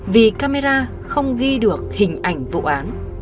vì camera không ghi được hình ảnh vụ án